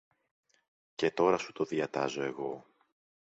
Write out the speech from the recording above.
Και τώρα σου το διατάζω εγώ